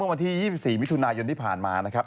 วันที่๒๔มิถุนายนที่ผ่านมานะครับ